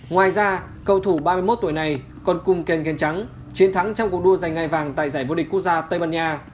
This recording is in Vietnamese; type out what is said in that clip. ngoài ra cầu thủ ba mươi một tuổi này còn cùng kengen trắng chiến thắng trong cuộc đua giành ngai vàng tại giải vô địch quốc gia tây ban nha